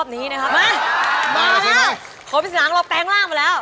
นี่มันแปลงล่างมาแล้ว